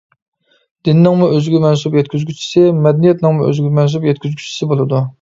دىننىڭمۇ ئۆزىگە مەنسۇپ يەتكۈزگۈچىسى، مەدەنىيەتنىڭمۇ ئۆزىگە مەنسۇپ يەتكۈزگۈچىسى بولىدۇ.